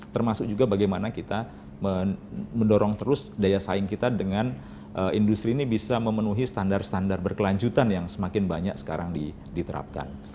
termasuk juga bagaimana kita mendorong terus daya saing kita dengan industri ini bisa memenuhi standar standar berkelanjutan yang semakin banyak sekarang diterapkan